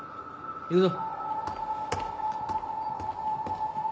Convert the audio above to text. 行くぞ。